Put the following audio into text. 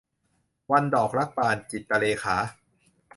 วันดอกรักบาน - จิตรเรขา